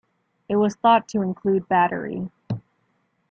It was thought to include battery.